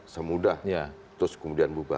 semudah terus kemudian bubar